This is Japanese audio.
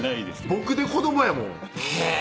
僕で子どもやもんへぇ